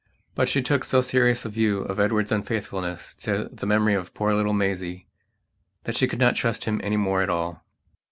But she took so serious a view of Edward's unfaithfulness to the memory of poor little Maisie that she could not trust him any more at all.